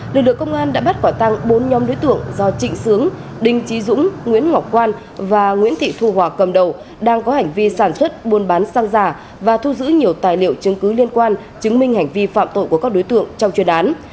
lực lượng công an đã bắt quả tăng bốn nhóm đối tượng do trịnh sướng đinh trí dũng nguyễn ngọc quan và nguyễn thị thu hòa cầm đầu đang có hành vi sản xuất buôn bán xăng giả và thu giữ nhiều tài liệu chứng cứ liên quan chứng minh hành vi phạm tội của các đối tượng trong chuyên án